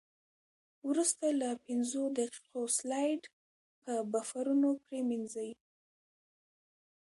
وروسته له پنځو دقیقو سلایډ په بفرونو پرېمنځئ.